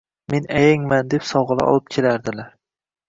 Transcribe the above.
Men ayangman deb sovg‘alar olib kelardilar